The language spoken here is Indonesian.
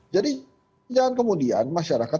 jadi kemudian masyarakat